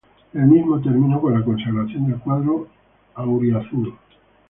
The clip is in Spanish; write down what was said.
El mismo terminó con la consagración del cuadro "auriazul".